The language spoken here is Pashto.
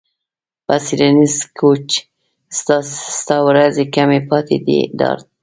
په څیړنیز کوچ ستا ورځې کمې پاتې دي ډارت